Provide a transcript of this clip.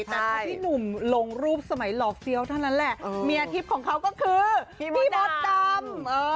แต่พอพี่หนุ่มลงรูปสมัยหลอกเฟี้ยวเท่านั้นแหละเมียทิพย์ของเขาก็คือพี่มดดำ